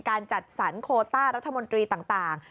จัดสรรโคต้ารัฐมนตรีต่าง